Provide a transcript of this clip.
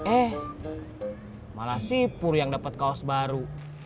eh malah sipur yang dapat kaos baru